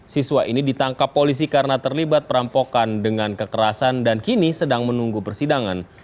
siswa ini ditangkap polisi karena terlibat perampokan dengan kekerasan dan kini sedang menunggu persidangan